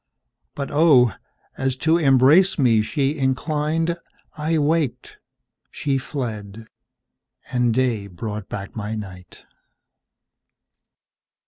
But, oh! as to embrace me she inclined,I waked, she fled, and day brought back my night.